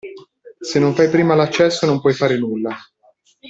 Se non fai prima l'accesso non puoi fare nulla.